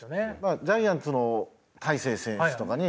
ジャイアンツの大勢選手とかに抑えとか。